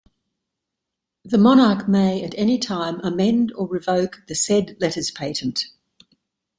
The monarch may at any time amend or revoke the said letters patent.